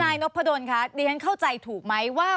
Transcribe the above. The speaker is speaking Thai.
ธนายนกพะดนค่ะดังนั้นเข้าใจถูกไหมว่า